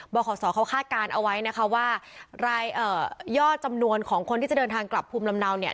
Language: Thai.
ขอสอเขาคาดการณ์เอาไว้นะคะว่ารายยอดจำนวนของคนที่จะเดินทางกลับภูมิลำเนาเนี่ย